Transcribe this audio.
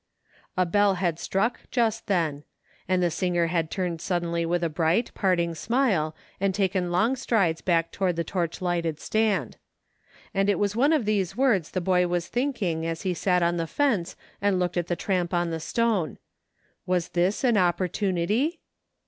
A bell had struck just then ; and the singer had turned suddenly with a bright, parting smile, and taken long strides back toward the torch lighted stand. And it was of these words the boy was OPPORTUNITY. . 51 thinking as he sat on the fence and looked at the tramp on the stone. Was this an opportunity